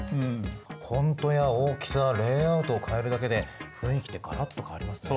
フォントや大きさレイアウトを変えるだけで雰囲気ってガラッと変わりますね。